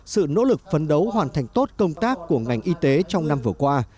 sự nỗ lực phấn đấu hoàn thành tốt công tác của ngành y tế trong năm vừa qua